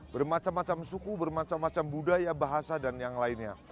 bermacam macam suku bermacam macam budaya bahasa dan yang lainnya